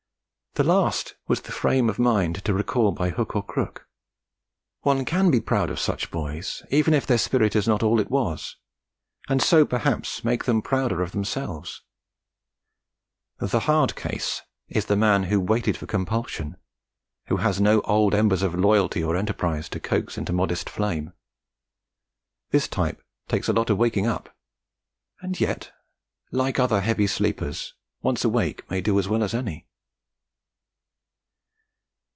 The last was the frame of mind to recall by hook or crook. One can be proud of such boys, even if their spirit is not all it was, and so perhaps make them prouder of themselves; the hard case is the man who waited for compulsion, who has no old embers of loyalty or enterprise to coax into a modest flame. This type takes a lot of waking up, and yet, like other heavy sleepers, once awake may do as well as any.